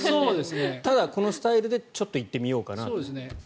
ただ、このスタイルでちょっと行ってみようかなと。